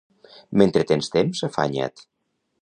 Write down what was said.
Mentre tens temps, afanya't.